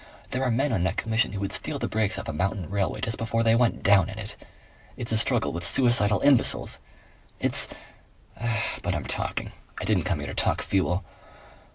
There are men on that Commission who would steal the brakes off a mountain railway just before they went down in it.... It's a struggle with suicidal imbeciles. It's ! But I'm talking! I didn't come here to talk Fuel."